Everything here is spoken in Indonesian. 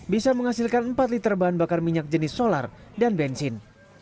bisa menghasilkan empat liter bahan bakar minyak jenis solar dan bensin